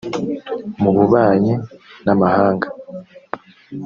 mu bubanyi n’amahanga